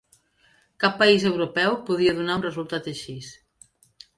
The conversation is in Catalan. Cap país europeu podria donar un resultat així.